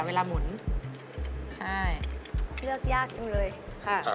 เวลามุนใช่เลือกยากจนเลยค่ะอ่า